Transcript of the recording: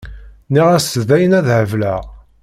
Nniɣ-as dayen ad hebleɣ.